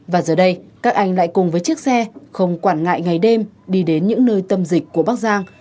và giờ đây các anh lại cùng với chiếc xe không quản ngại ngày đêm đi đến những nơi tâm dịch của bắc giang